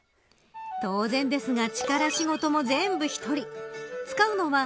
当然ですが力仕事も全部１人。